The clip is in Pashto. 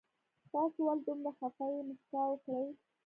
تاسو ولې دومره خفه يي مسکا وکړئ